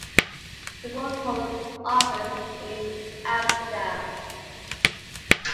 The board holds office in Amsterdam.